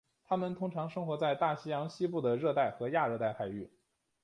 它们通常生活在大西洋西部的热带和亚热带海域。